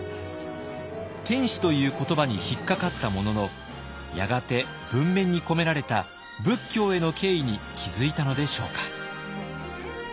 「天子」という言葉に引っ掛かったもののやがて文面に込められた仏教への敬意に気付いたのでしょうか。